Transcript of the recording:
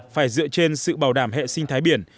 phải dựa trên sự bảo đảm hệ sinh thái biển